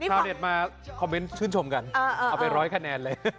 ชาวเน็ตมาคอมเมนต์ชื่นชมกันเอาไปร้อยคะแนนเลย